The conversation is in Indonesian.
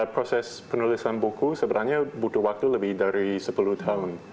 proses penulisan buku sebenarnya butuh waktu lebih dari sepuluh tahun